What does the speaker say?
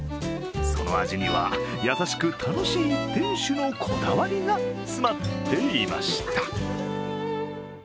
その味には優しく楽しい店主のこだわりが詰まっていました。